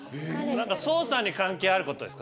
捜査に関係あることですか？